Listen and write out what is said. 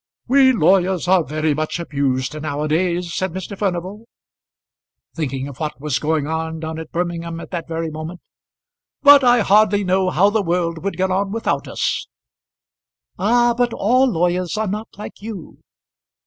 "We lawyers are very much abused now a days," said Mr. Furnival, thinking of what was going on down at Birmingham at that very moment; "but I hardly know how the world would get on without us." "Ah! but all lawyers are not like you."